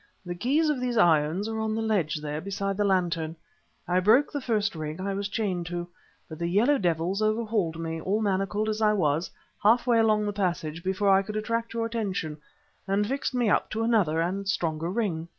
"The keys of these irons are on the ledge there beside the lantern. I broke the first ring I was chained to, but the Yellow devils overhauled me, all manacled as I was, half way along the passage before I could attract your attention, and fixed me up to another and stronger ring!"